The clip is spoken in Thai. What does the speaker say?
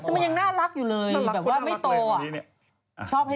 มันน่ารักอยู่เลยรู้แบบว่าไม่โต